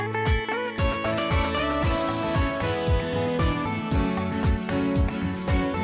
ในภาคฝั่งอันดามันนะครับ